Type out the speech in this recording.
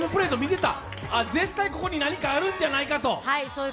絶対ここに何かあるんじゃないかと。